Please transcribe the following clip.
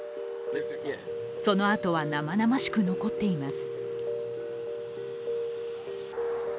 その痕は生々しく残っています。